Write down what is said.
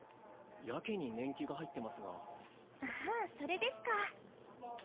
やけに年季が入ってますがああそれですか